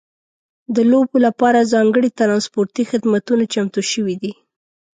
د لوبو لپاره ځانګړي ترانسپورتي خدمتونه چمتو شوي دي.